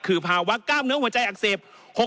คือภาวะกล้ามเนื้อหัวใจอักเสบ